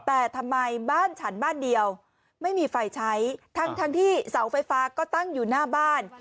แต่ทำไมบ้านฉันบ้านเดียวไม่มีไฟใช้ทั้งที่เสาไฟฟ้าก็ตั้งอยู่หน้าบ้าน